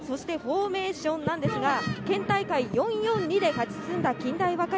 フォーメーションなんですが、県大会、４−４−２で勝ち進んだ近大和歌山。